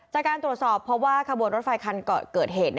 จากการตรวจสอบเพราะว่าขบวนรถไฟคันเกิดเหตุ